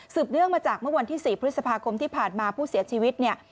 เนื่องมาจากเมื่อวันที่๔พฤษภาคมที่ผ่านมาผู้เสียชีวิตเนี่ย